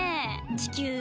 地球？